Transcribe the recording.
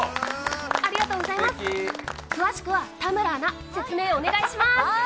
詳しくは田村アナ説明お願いします。